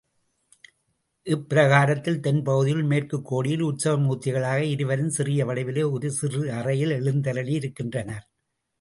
இப்பிராகாரத்தில் தென்பகுதியில் மேற்குக் கோடியில் உத்சவமூர்த்திகளாக இருவரும் சிறிய வடிவிலே ஒரு சிறு அறையில் எழுந்தருளியிருக்கின்றனர்.